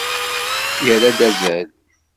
Yerra-d azal.